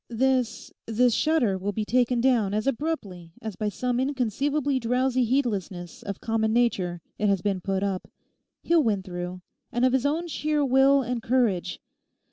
This—this shutter will be taken down as abruptly as by some inconceivably drowsy heedlessness of common Nature it has been put up. He'll win through; and of his own sheer will and courage.